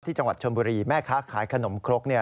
จังหวัดชนบุรีแม่ค้าขายขนมครก